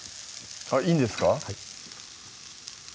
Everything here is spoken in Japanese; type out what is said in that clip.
あっいいんですか？